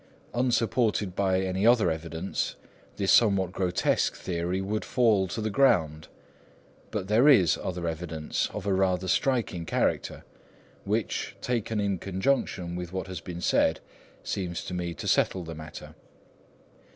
Unsupported by any other evidence, this somewhat grotesque theory would fall to the ground. But there is other evidence, of a rather striking character, which, taken in conjunction with what has been said, seems to me to settle the matter.